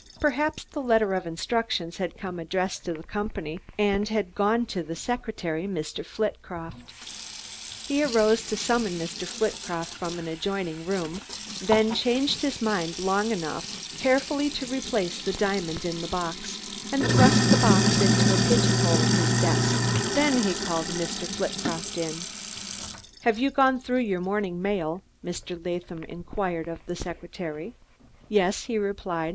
Perhaps the letter of instructions had come addressed to the company, and had gone to the secretary, Mr. Flitcroft. He arose to summon Mr. Flitcroft from an adjoining room, then changed his mind long enough carefully to replace the diamond in the box and thrust the box into a pigeonhole of his desk. Then he called Mr. Flitcroft in. "Have you gone through your morning mail?" Mr. Latham inquired of the secretary. "Yes," he replied.